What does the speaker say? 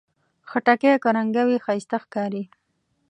خټکی که رنګه وي، ښایسته ښکاري.